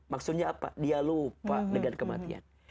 maksudnya apa dia lupa dengan kematian